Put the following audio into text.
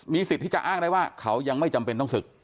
สิทธิ์ที่จะอ้างได้ว่าเขายังไม่จำเป็นต้องศึก